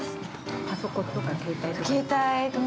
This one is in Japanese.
◆パソコンとか携帯とか。